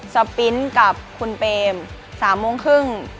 ปริ้นต์กับคุณเปม๓โมงครึ่ง